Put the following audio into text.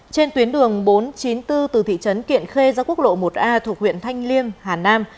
trên tuyến đường bốn trăm chín mươi bốn từ thị trấn kiện khê ra quốc lộ một a thuộc huyện thanh liêm hà nam